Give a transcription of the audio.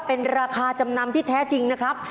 เป็นราคาจำนำที่แท้จริงนะครับ